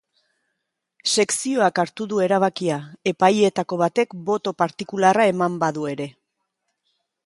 Sekzioak hartu du erabakia, epaileetako batek boto partikularra eman badu ere.